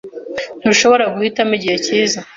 Ntushobora guhitamo igihe cyiza.